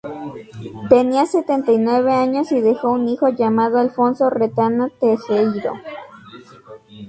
Tenía setenta y nueve años y dejó un hijo llamado Alfonso Retana Tejeiro.